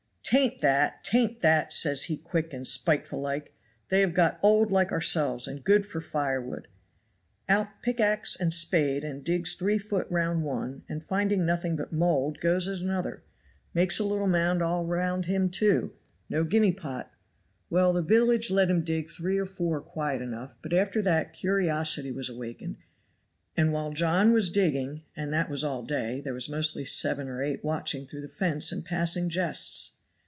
'Tain't that! 'tain't that!' says he quick and spiteful like; 'they have got old like ourselves, and good for fire wood.' Out pickax and spade and digs three foot deep round one, and finding nothing but mould goes at another, makes a little mound all round him, too no guinea pot. Well, the village let him dig three or four quiet enough; but after that curiosity was awakened, and while John was digging, and that was all day, there was mostly seven or eight watching through the fence and passing jests.